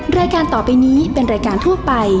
รายการต่อไปนี้เป็นรายการทั่วไป